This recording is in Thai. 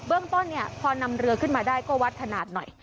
เรื่องต้นเนี่ยพอนำเรือขึ้นมาได้ก็วัดขนาดหน่อย